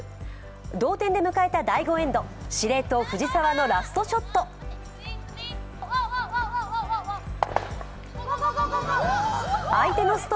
同点で迎えた第５エンド司令塔・藤澤のラストショット。